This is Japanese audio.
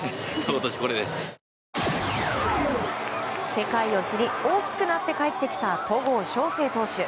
世界を知り大きくなって帰ってきた戸郷翔征投手。